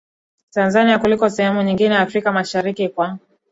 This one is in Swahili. Tanzania kuliko sehemu nyingine Afrika Mashariki Kwa